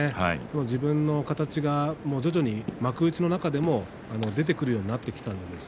自分の型が徐々に幕内の中でも徐々に出てくるようになっています。